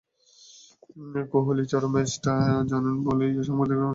কোহলির চড়া মেজাজটা জানেন বলেই সাংবাদিকেরা আনুশকা নিয়ে একটি প্রশ্নও করলেন না।